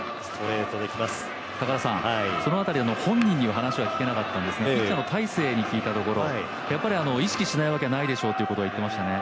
その辺り、本人にお話は聞けなかったんですが大勢に聞いたところ意識しないわけないでしょうと言っていました。